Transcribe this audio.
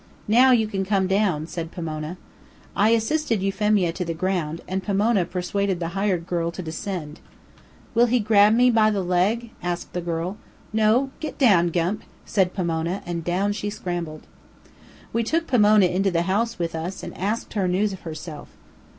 "Now you can come down," said Pomona. I assisted Euphemia to the ground, and Pomona persuaded the hired girl to descend. "Will he grab me by the leg?" asked the girl. "No; get down, gump," said Pomona, and down she scrambled. We took Pomona into the house with us and asked her news of herself.